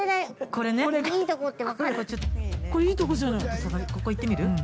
◆ここ行ってみる？